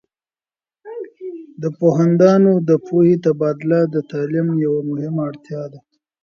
د پوهاندانو د پوهې تبادله د تعلیم یوه مهمه اړتیا ده.